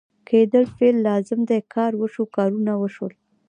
کېدل فعل لازم دی کار وشو ، کارونه وشول